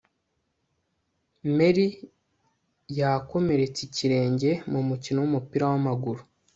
Mary yakomeretse ikirenge mu mukino wumupira wamaguru